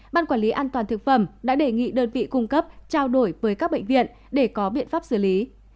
ban quản lý an toàn thực phẩm đã đề nghị đơn vị cung cấp trao đổi với các bệnh viện để có biện pháp xử lý